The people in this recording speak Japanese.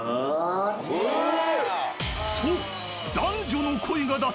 ［そう］